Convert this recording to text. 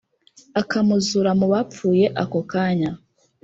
akamuzura mu bapfuye ako kanya